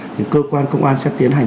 thì cơ quan công an sẽ tiến hành